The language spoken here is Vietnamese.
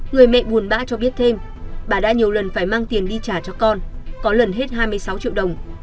người mẹ bùn bã cho biết thêm bà đã nhiều lần phải mang tiền đi trả cho con có lần hết hai mươi sáu triệu đồng